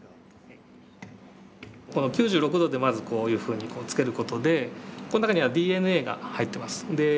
この９６度でまずこういうふうにつける事でこの中にはＤＮＡが入ってます。